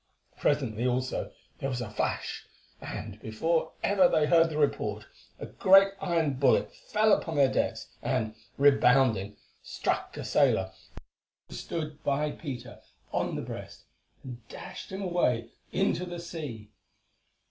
Presently, also, there was a flash, and, before ever they heard the report, a great iron bullet fell upon their decks and, rebounding, struck a sailor, who stood by Peter, on the breast, and dashed him away into the sea.